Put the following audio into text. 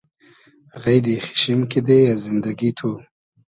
غݷدی خیچشیم کیدې از زیندئگی تو